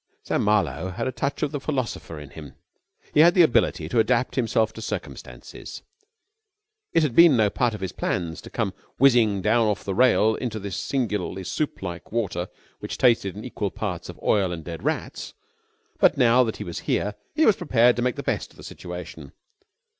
Sam Marlowe had a touch of the philosopher in him. He had the ability to adapt himself to circumstances. It had been no part of his plans to come whizzing down off the rail into this singularly soup like water which tasted in equal parts of oil and dead rats; but, now that he was here he was prepared to make the best of the situation.